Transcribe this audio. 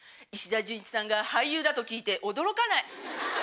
石田純一さんが俳優だと聞いて驚かない。